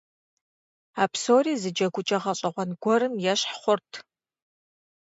А псори зы джэгукӀэ гъэщӀэгъуэн гуэрым ещхь хъурт.